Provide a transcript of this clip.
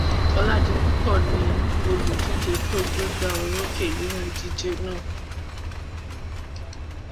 Ọládipúpọ̀ ni olùdíje tó gbégbá orókè nínú ìdíjè náà.